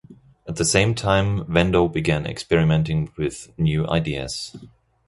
At the same time, Vendo began experimenting with new ideas.